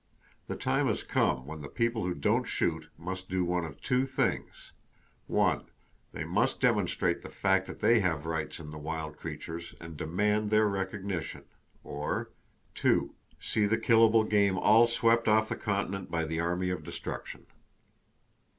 The time has come when the people who don't shoot must do one of two things: They must demonstrate the fact that they have rights in the wild creatures, and demand their recognition, or See the killable game all swept off the continent by the Army of Destruction.